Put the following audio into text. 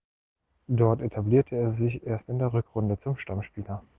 Dort etablierte er sich erst in der Rückrunde zum Stammspieler.